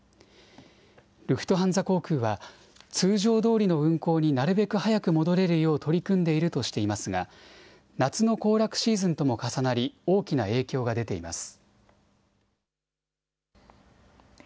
ルフトハンザ航空は通常どおりの運航になるべく早く戻れるよう取り組んでいるとしていますが夏の行楽シーズンとも重なり大きな影響が出ています。